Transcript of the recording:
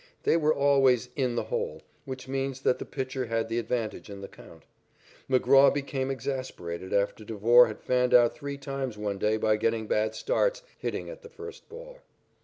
They were always "in the hole," which means that the pitcher had the advantage in the count. McGraw became exasperated after Devore had fanned out three times one day by getting bad starts, hitting at the first ball.